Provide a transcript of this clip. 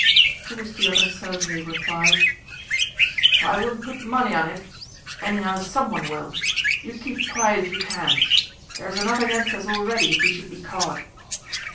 To which the other surlily replied: "I wouldn't put money on it. Anyhow someone will! You keep quiet if you can. There's enough against us already if we should be caught!"